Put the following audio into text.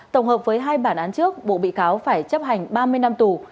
tổng hợp với hai bản án trước bộ bị cáo phải chấp hành ba mươi năm tù